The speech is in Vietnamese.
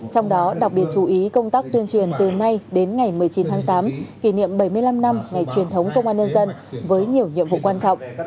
trong đó đặc biệt chú ý công tác tuyên truyền từ nay đến ngày một mươi chín tháng tám kỷ niệm bảy mươi năm năm ngày truyền thống công an nhân dân với nhiều nhiệm vụ quan trọng